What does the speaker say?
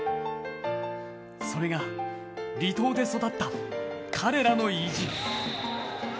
それが、離島で育った彼らの意地。